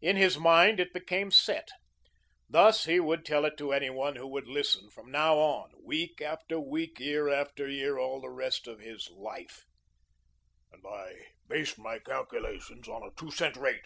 In his mind it became set. Thus he would tell it to any one who would listen from now on, week after week, year after year, all the rest of his life "And I based my calculations on a two cent rate.